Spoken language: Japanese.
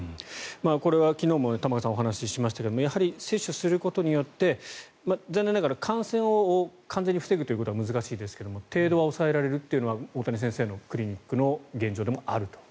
これは昨日も玉川さんお話ししましたけれどもやはり接種することによって残念ながら感染を完全に防ぐというのは難しいですけれど程度は抑えられるというのは大谷先生のクリニックでも現状でもあると。